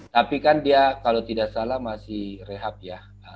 tapi kan dia kalau tidak salah masih rehab ya